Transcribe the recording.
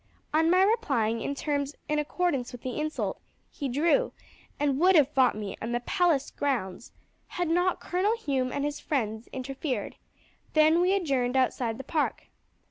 On my replying in terms in accordance with the insult, he drew, and would have fought me in the palace grounds had not Colonel Hume and his friends interfered; then we adjourned outside the park.